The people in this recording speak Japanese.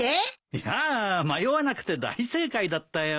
いやあ迷わなくて大正解だったよ。